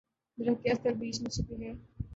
درخت کی اصل بیج میں چھپی ہے۔